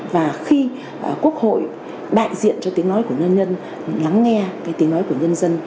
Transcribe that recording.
và khi quốc hội đại diện cho tiếng nói của nhân dân lắng nghe cái tiếng nói của nhân dân